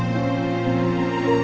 kau mau ngapain